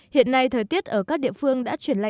hiện nay thời tiết ở các địa phương đã chuyển lạnh